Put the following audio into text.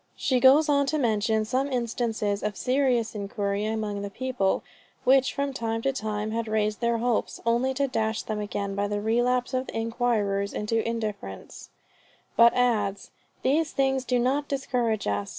She goes on to mention some instances of serious inquiry among the people, which from time to time had raised their hopes, only to dash them again by the relapse of the inquirers into indifference; but adds "These things do not discourage us.